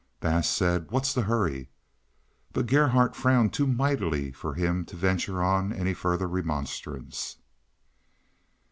Bass said, "What's the hurry?" But Gerhardt frowned too mightily for him to venture on any further remonstrance.